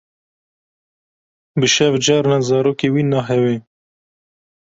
Bi şev carna zarokê wî nahewe.